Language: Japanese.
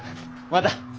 また。